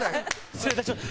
失礼いたしました。